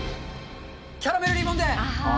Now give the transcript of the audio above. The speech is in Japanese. キャラメルリボンで。